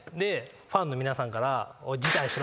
ファンの皆さんから。